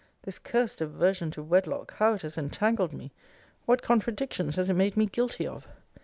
This cursed aversion to wedlock how it has entangled me! What contradictions has it made me guilty of!